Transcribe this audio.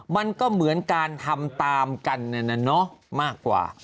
มันก็เหมือนการทำตามกันมากกว่า